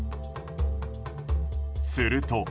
すると。